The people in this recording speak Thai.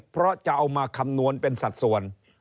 เพราะจะเอามาคำนวณเป็นสัดส่วน